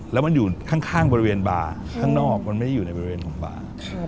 แล้วมันอยู่ข้างบริเวณบาร์ข้างนอกมันไม่ได้อยู่ในบริเวณของบาร์